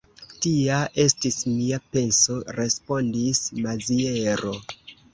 Tia estis mia penso, respondis Maziero.